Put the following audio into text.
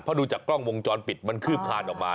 เพราะดูจากกล้องวงจรปิดมันคืบคลานออกมา